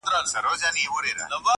دا د قسمت په حوادثو کي پېیلی وطن؛